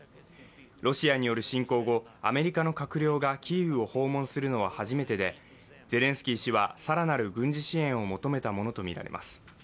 ロシアによる侵攻後、アメリカの閣僚がキーウを訪問するのは初めてでゼレンスキー氏は更なる軍事支援を求めたものとみられます。